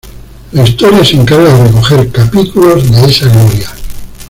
La historia se encarga de recoger capítulos de esa gloria.